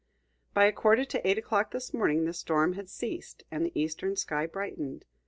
By a quarter to eight o'clock this morning the storm had ceased, and the eastern sky brightened.